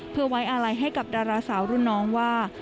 เพื่อไว้อาลัยให้กับดาราสาวรุ่นน้องว่า